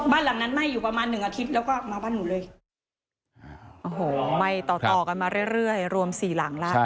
บ้านหลังนั้นไหม้อยู่ประมาณหนึ่งอาทิตย์แล้วก็มาบ้านหนูเลย